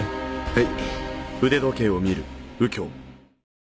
はい。